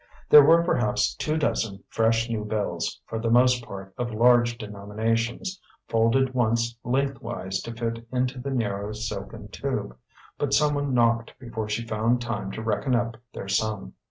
There were perhaps two dozen fresh, new bills, for the most part of large denominations, folded once lengthwise to fit into the narrow silken tube; but someone knocked before she found time to reckon up their sum.